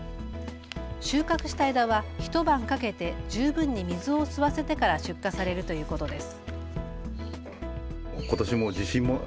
収穫した枝は一晩かけて十分に水を吸わせてから出荷されるということです。